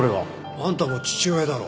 あんたも父親だろ。